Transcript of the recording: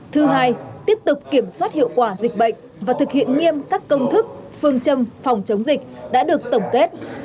thứ hai tiếp tục kiểm soát hiệu quả dịch bệnh và thực hiện nghiêm các công thức phương châm phòng chống dịch đã được tổng kết